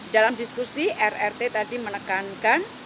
dalam diskusi rrt tadi menekankan dukungan terhadap rrt